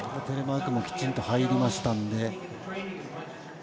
テレマークもきちんと入りましたので。